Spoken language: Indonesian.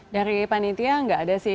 dari panitia nggak ada sih